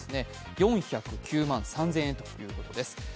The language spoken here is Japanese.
４０９万３０００円ということです。